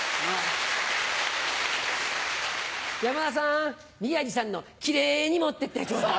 山田さん宮治さんのキレイに持ってってちょうだい。